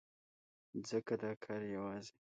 ځکه دا کار يوازې